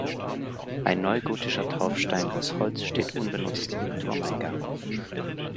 Ein neugotischer Taufstein aus Holz steht unbenutzt im Turmeingang.